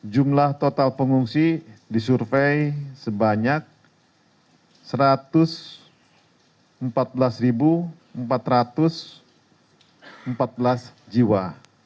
jumlah total pengungsi disurvey sebanyak satu ratus empat belas empat ratus empat belas jiwa